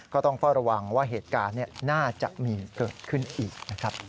ก็ต้องเฝ้าระวังว่าเหตุการณ์น่าจะมีเกิดขึ้นอีกนะครับ